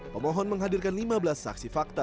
pemohon menghadirkan lima belas saksi fakta